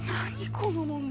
この問題。